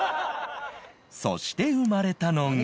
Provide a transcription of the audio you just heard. そして生まれたのが